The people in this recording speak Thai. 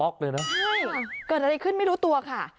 ใช่เกิดอะไรขึ้นไม่รู้ตัวค่ะ